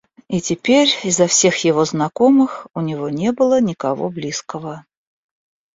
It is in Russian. И теперь изо всех его знакомых у него не было никого близкого.